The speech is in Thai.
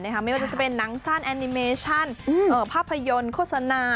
ไม่ว่าจะเป็นหนังสั้นแอนิเมชั่นภาพยนตร์โฆษณา